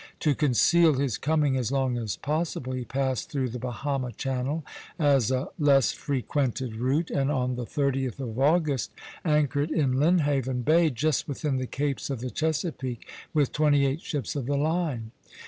To conceal his coming as long as possible, he passed through the Bahama Channel, as a less frequented route, and on the 30th of August anchored in Lynnhaven Bay, just within the capes of the Chesapeake, with twenty eight ships of the line.